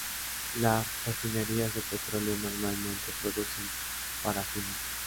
Las refinerías de petróleo normalmente producen parafina.